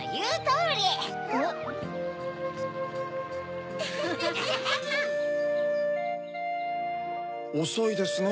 おそいですね